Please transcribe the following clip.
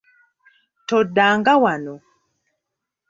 Toddanga wano.